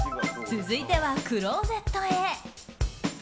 続いてはクローゼットへ。